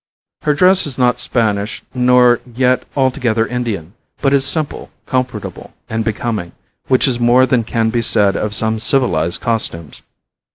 Her dress is not Spanish nor yet altogether Indian, but is simple, comfortable and becoming, which is more than can be said of some civilized costumes.